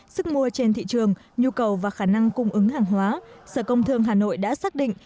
sức mua trên thị trường nhu cầu và khả năng cung ứng hàng hóa sở công thương hà nội đã xác định